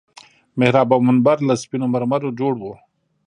محراب او منبر له سپينو مرمرو جوړ وو.